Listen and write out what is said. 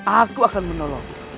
aku akan menolongmu